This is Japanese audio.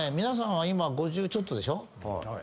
皆さんは今５０ちょっとでしょ。